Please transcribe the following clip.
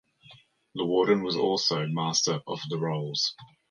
The warden was also Master of the Rolls.